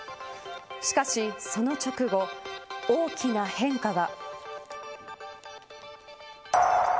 しかし、その直後大きな変化が。